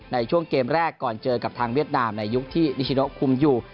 ในช่วงเกมแรกก่อนเจอกับทางเวียดนามในยุคที่นิชิโนคุมอยู่